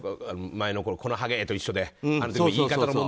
前の、このハゲ！も一緒で。